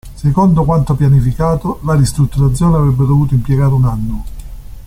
Secondo quanto pianificato, la ristrutturazione avrebbe dovuto impiegare un anno.